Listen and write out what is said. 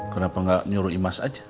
kenapa nggak nyuruh imas aja